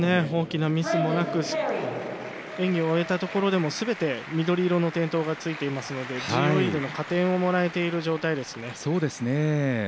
大きなミスもなく演技を終えたところでもすべて緑色の点灯がついていますのでＧＯＥでも加点をもらえている状態ですね。